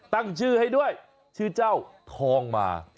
ตั้งชื่อให้ด้วยชื่อเจ้าทองมา